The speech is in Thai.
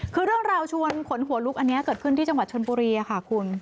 คือเรื่องราวชวนขนหัวลุกอันนี้เกิดขึ้นที่จังหวัดชนบุรีค่ะคุณ